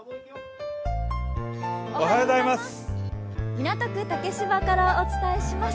港区竹芝からお伝えします。